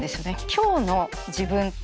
今日の自分。